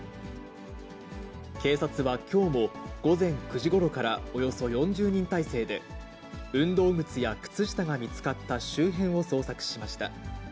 警察はきょうも午前９時ごろからおよそ４０人態勢で、運動靴や靴下が見つかった周辺を捜索しました。